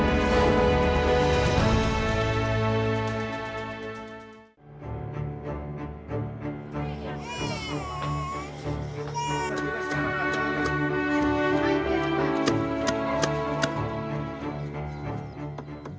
membiarkan pemerintah keinginan nya untuk bekerja di jalan ini